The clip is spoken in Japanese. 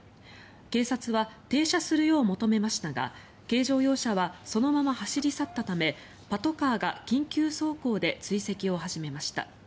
警察は停車するよう求めましたが軽乗用車はそのまま走り去ったためパトカーが緊急走行で追跡を始めました。